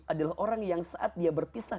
adalah orang yang saat dia berpisah